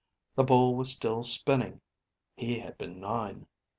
The bowl was still spinning. He had been nine.)